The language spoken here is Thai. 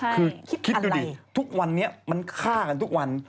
คือคิดดูดิทุกวันนี้มันฆ่ากันทุกวัน